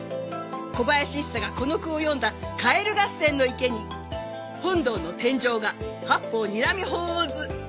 小林一茶がこの句を詠んだ蛙合戦の池に本堂の天井画『八方睨み鳳凰図』。